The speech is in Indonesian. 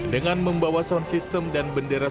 dengan membawa sound system dan bendera